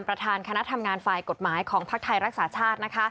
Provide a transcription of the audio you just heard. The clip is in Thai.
ประธานคณะทำงานฝ่ายกฎหมายของภักดิ์ไทยรักษาชาติ